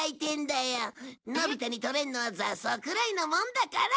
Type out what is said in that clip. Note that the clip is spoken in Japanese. のび太に撮れるのは雑草くらいのもんだから。